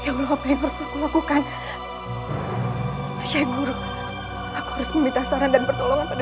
syayanguruh aku harus meminta saran dan pertolongan pada syayanguruh paham uduh puis jika itu itu adalah kejadian kita